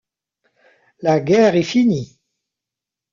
La guerre est finie.